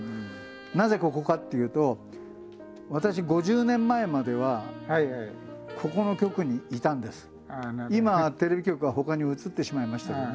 なぜここかっていうと今テレビ局はほかに移ってしまいましたけどね。